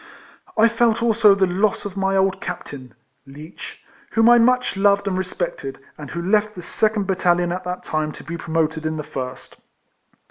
I felt also the loss of my old Captain (Leech), whom I much loved and respected, and who left the second battalion at that time to be promoted in the first.